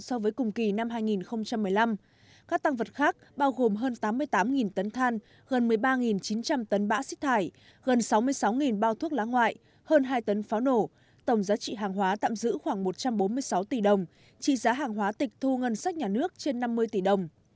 so với cùng kỳ năm hai nghìn một mươi năm các tăng vật khác bao gồm hơn tám mươi tám tấn than gần một mươi ba chín trăm linh tấn bã xích thải gần sáu mươi sáu bao thuốc lá ngoại hơn hai tấn pháo nổ tổng giá trị hàng hóa tạm giữ khoảng một trăm bốn mươi sáu tỷ đồng trị giá hàng hóa tịch thu ngân sách nhà nước trên năm mươi tỷ đồng